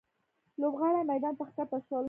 لوبغاړي میدان ته ښکته شول.